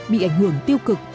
bị ảnh hưởng tiêu cực